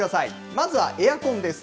まずはエアコンです。